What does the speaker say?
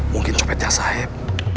mungkin copetnya sahib